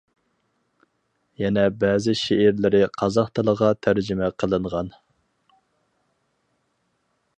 يەنە بەزى شېئىرلىرى قازاق تىلىغا تەرجىمە قىلىنغان.